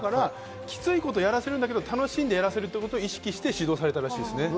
キツいことをやらせるんだけど楽しんでやらせるということを意識して指導されたそうですね。